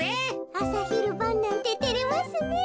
あさひるばんなんててれますねえ。